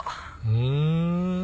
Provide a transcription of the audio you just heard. ふん。